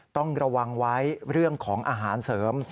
ต้องระวังไว้เรื่องของอาหารเสริม